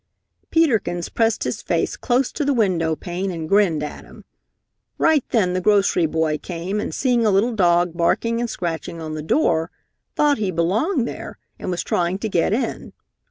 Peter Kins pressed his face close to the window pane and grinned at him. Right then the grocery boy came and seeing a little dog barking and scratching on the door, thought he belonged there and was trying to get in.